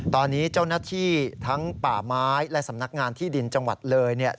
ตอนนี้เจ้าหน้าที่ทั้งป่าไม้และสำนักงานที่ดินจังหวัดเลยเนี่ย